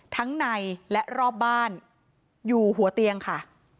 ทั้งในและรอบบ้านอยู่หัวเตียงค่ะ